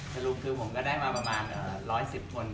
สรุปคือผมก็ได้มาประมาณ๑๑๐คน